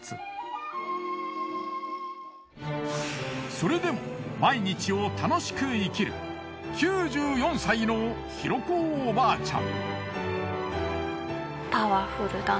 それでも毎日を楽しく生きる９４歳の大子おばあちゃん。